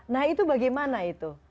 nah itu bagaimana itu